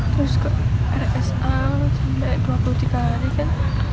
terus kok rsa sampai dua puluh tiga hari kan